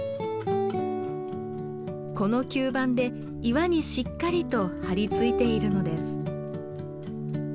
この吸盤で岩にしっかりと張り付いているのです。